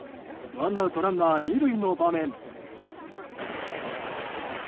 ワンアウトランナー２塁の場面。